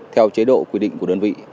theo chế độ quy định của đơn vị